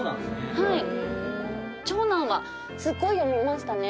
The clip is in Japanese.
はい長男はスッゴい読みましたね